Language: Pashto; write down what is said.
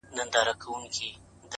مخ ته مي لاس راوړه چي ومي نه خوري،